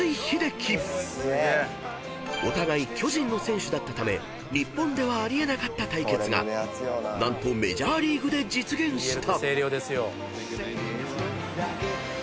［お互い巨人の選手だったため日本ではあり得なかった対決が何とメジャーリーグで実現した］